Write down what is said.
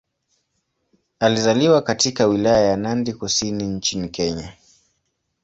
Alizaliwa katika Wilaya ya Nandi Kusini nchini Kenya.